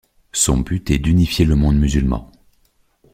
Son but est d’unifier le monde musulman.